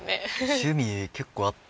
趣味結構あって。